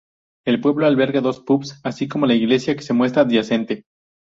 El pueblo alberga dos pubs, así como la iglesia, que se muestra adyacente.